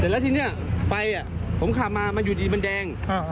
แต่ละทีเนี้ยไฟอ่ะผมขามมามันอยู่ดีมันแดงอ่า